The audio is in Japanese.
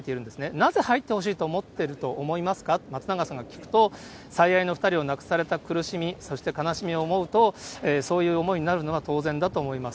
なぜ入ってほしいと思ってると思いますかと、松永さんが聞くと、最愛の２人を亡くされた苦しみ、そして悲しみを思うと、そういう思いになるのが当然だと思います。